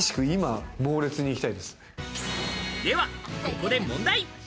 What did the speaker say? では、ここで問題。